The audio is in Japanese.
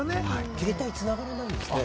携帯繋がらないんですね。